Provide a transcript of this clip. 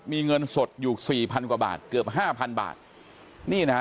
มีเงินสดอยู่สี่พันกว่าบาทเกือบห้าพันบาทนี่นะฮะ